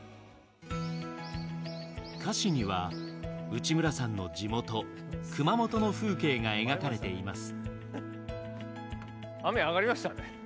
歌詞には内村さんの地元熊本の風景が描かれています。